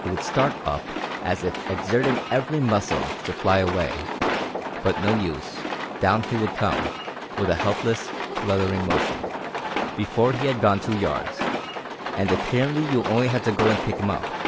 He would start up as if exerting every muscle to fly away, but no use; down he would come, with a helpless, fluttering motion, before he had gone two yards, and apparently you had only to go and pick him up.